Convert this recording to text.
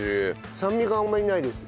酸味があんまりないです。